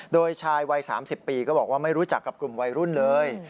โดยชายวัย๓๐ปีก็บอกว่าไม่รู้จักกับกลุ่มวัยรุ่นเลย